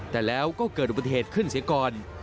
แต่แล้วก็เกิดอุปเฦตคลื่นเสียกร